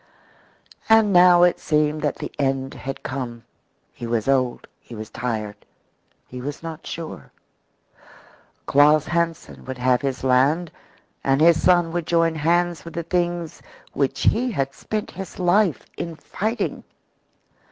And now it seemed that the end had come; he was old, he was tired, he was not sure. Claus Hansen would have his land and his son would join hands with the things which he had spent his life in fighting.